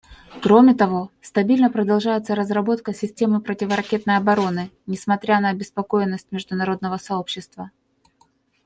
Кроме того, стабильно продолжается разработка системы противоракетной обороны, несмотря на обеспокоенность международного сообщества.